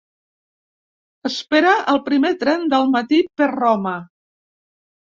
Espera el primer tren del matí per Roma.